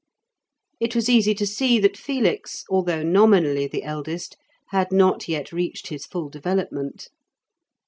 It was easy to see that Felix, although nominally the eldest, had not yet reached his full development.